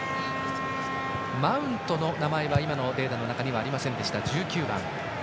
１９番、マウントの名前は今のデータの中にはありませんでした。